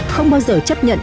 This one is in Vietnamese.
không bao giờ chấp nhận